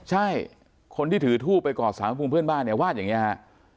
ใช่คนที่ถือทูบไปกอดสารพระภูมิเพื่อนบ้านเนี่ยวาดอย่างนี้ฮะ